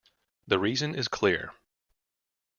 The reason is clear.